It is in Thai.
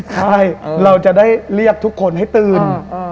ใช่เราจะได้เรียกทุกคนให้ตื่น